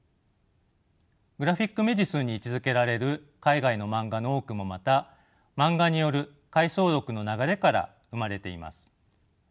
グラフィック・メディスンに位置づけられる海外のマンガの多くもまたマンガによる回想録の流れから生まれています。